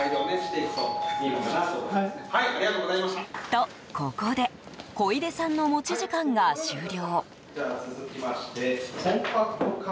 と、ここで小出さんの持ち時間が終了。